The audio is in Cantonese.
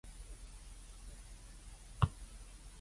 呢下送嘅，不另收費